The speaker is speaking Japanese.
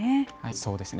そうですね。